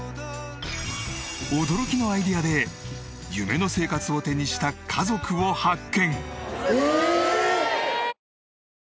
驚きのアイデアで夢の生活を手にした家族を発見！